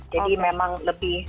jadi memang lebih